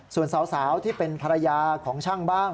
ส่วนสาวที่เป็นภรรยาของช่างบ้าง